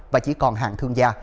và chỉ còn hàng thương gia